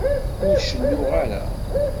Ur cennuɣ ara.